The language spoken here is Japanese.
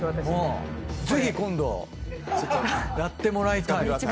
ぜひ今度やってもらいたい。